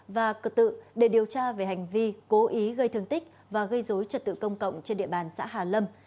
và cử tự để điều tra về hành vi cố ý gây thương tích và gây dối trật tự công cộng trên địa bàn xã hà lâm